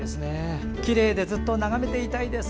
きれいでずっと眺めていたいです。